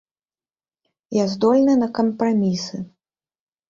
Я здольны на кампрамісы.